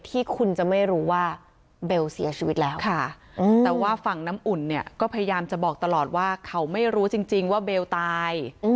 ที่คุณจะไม่รู้ว่าเบลเสียชีวิตแล้วแต่ว่าฝั่งน้ำอุ่นเนี่ยก็พยายามจะบอกตลอดว่าเขาไม่รู้จริงว่าเบลตาย